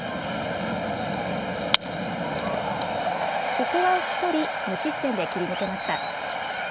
ここは打ち取り無失点で切り抜けました。